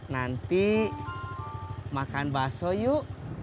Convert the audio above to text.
nanti makan bakso yuk